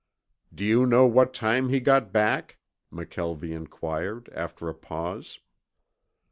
"Do you know what time he got back?" McKelvie inquired after a pause.